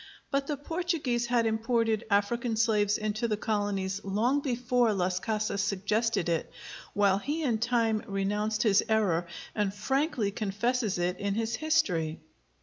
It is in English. But the Portuguese had imported African slaves into the colonies long before Las Casas suggested it, while he in time renounced his error, and frankly confesses it in his history.